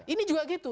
ini juga gitu